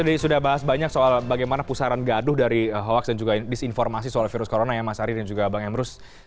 tadi sudah bahas banyak soal bagaimana pusaran gaduh dari hoaks dan juga disinformasi soal virus corona ya mas ari dan juga bang emrus